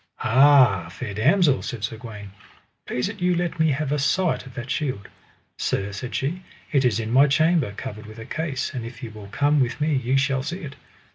Ah fair damosel, said Sir Gawaine, please it you let me have a sight of that shield. Sir, said she, it is in my chamber, covered with a case, and if ye will come with me ye shall see it.